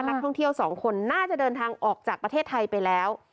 นักท่องเที่ยวสองคนน่าจะเดินทางออกจากประเทศไทยไปแล้ว